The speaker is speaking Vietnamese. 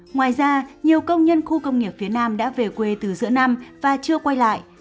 ngoài ra nhiều công nhân khu công nghiệp phía nam đã về quê từ giữa năm và chưa quay lại